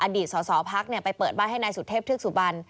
อดีตสอสอพักไปเปิดบ้านให้นายสุเทพเทือกสุบัน